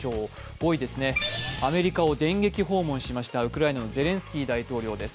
５位、アメリカを電撃訪問したウクライナのゼレンスキー大統領です。